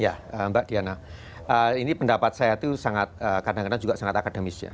ya mbak diana ini pendapat saya itu sangat kadang kadang juga sangat akademis ya